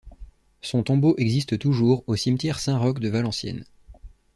Son tombeau existe toujours au cimetière Saint-Roch de Valenciennes.